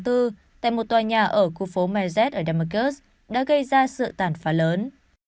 của khu phố merced ở damascus đã gây ra sự tàn phá lớn